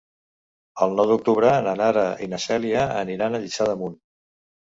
El nou d'octubre na Nara i na Cèlia aniran a Lliçà d'Amunt.